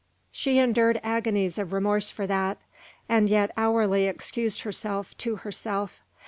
She endured agonies of remorse for that, and yet hourly excused herself to herself.